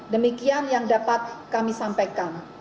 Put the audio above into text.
demikian yang dapat kami sampaikan